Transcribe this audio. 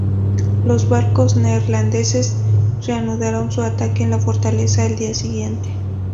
Los barcos neerlandeses reanudaron su ataque en la fortaleza el día siguiente.